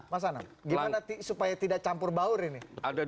mas anam gimana supaya tidak campur baur ini